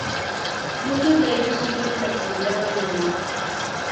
Muchos de ellos siguen en activo hoy en día.